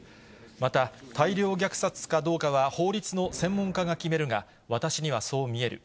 また、大量虐殺かどうかは法律の専門家が決めるが、私にはそう見える。